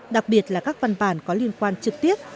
đặc biệt là các văn bản có liên quan trực tiếp